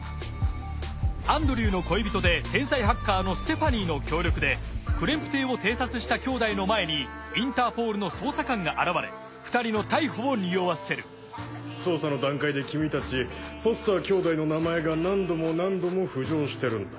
アンドリューの恋人で天才ハッカーのステファニーの協力でクレンプ邸を偵察した兄弟の前にインターポールの捜査官が現れ２人の逮捕を匂わせる捜査の段階で君たちフォスター兄弟の名前が何度も何度も浮上してるんだ。